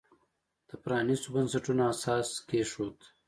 د پرانیستو بنسټونو اساس کېښود.